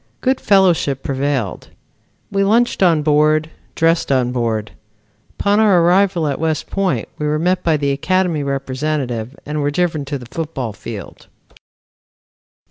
Good fellowship prevailed. We lunched on board, dressed on board. Upon our arrival at West Point we were met by the Academy representative and were driven to the football field.